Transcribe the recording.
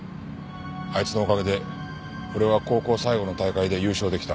あいつのおかげで俺は高校最後の大会で優勝出来た。